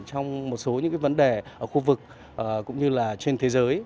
trong một số những vấn đề ở khu vực cũng như là trên thế giới